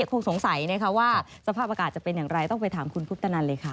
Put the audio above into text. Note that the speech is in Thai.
คงสงสัยนะคะว่าสภาพอากาศจะเป็นอย่างไรต้องไปถามคุณพุทธนันเลยค่ะ